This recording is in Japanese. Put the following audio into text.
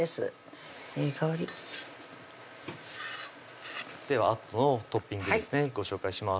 いい香りではあとのトッピングですねご紹介します